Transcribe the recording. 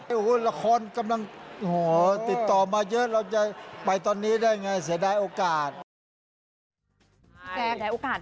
โอ้โหละครกำลังติดต่อมาเยอะเราจะไปตอนนี้ได้ไงเสียดายโอกาส